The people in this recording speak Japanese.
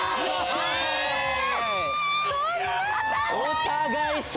お互い様！